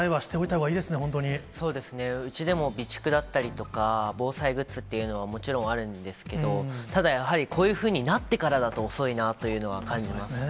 そうですね、うちでも備蓄だったりとか、防災グッズというのはもちろんあるんですけれども、ただやはりこういうふうになってからだと遅いなというのは感じます。